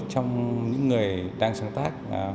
trong những người đang sáng tác